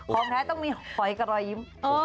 ของแท้ต้องมีหอยกระลอยยิ้ม